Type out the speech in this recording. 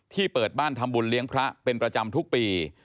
เปิดบ้านทำบุญเลี้ยงพระเป็นประจำทุกปี